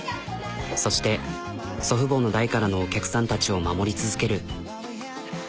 そして祖父母の代からのお客さんたちを守り続ける。